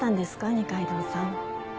二階堂さん。